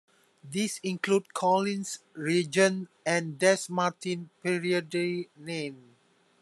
These include Collins reagent and Dess-Martin periodinane.